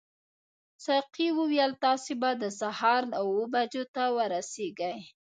ساقي وویل تاسي به د سهار اوو بجو ته ورسیږئ.